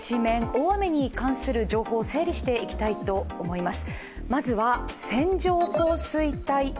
大雨に関する情報を整理していきたいと思います。